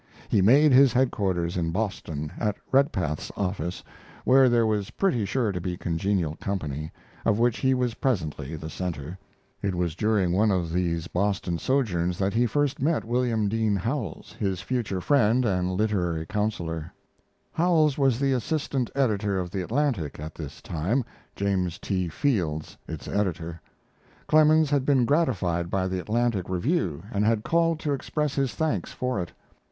He made his headquarters in Boston, at Redpath's office, where there was pretty sure to be a congenial company, of which he was presently the center. It was during one of these Boston sojourns that he first met William Dean Howells, his future friend and literary counselor. Howells was assistant editor of the Atlantic at this time; James T. Fields, its editor. Clemens had been gratified by the Atlantic review, and had called to express his thanks for it.